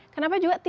kenapa juga terkenal